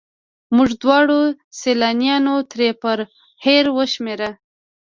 موږ دواړو سیلانیانو تېر پر هېر وشمېره.